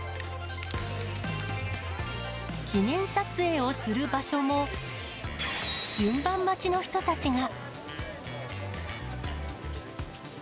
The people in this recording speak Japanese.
記念撮影をする場所も、順番待ちの人たちが。